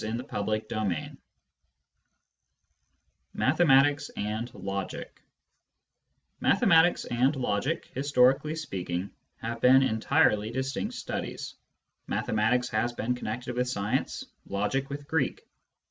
13 CHAPTER XVIII MATHEMATICS AND LOGIC Mathematics and logic, historically speaking, have been entirely distinct studies. Mathematics has been connected with science, logic with Greek.